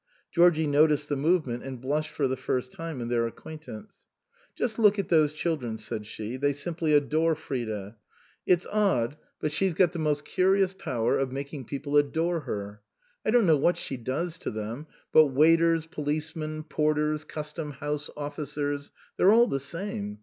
Georgie noticed the movement, and blushed for the first time in their acquaintance. " Just look at those children," said she, " they simply adore Frida. It's odd, but she's got the 165 THE COSMOPOLITAN most curious power of making people adore her. I don't know what she does to them, but waiters, policemen, porters, custom house officers, they're all the same.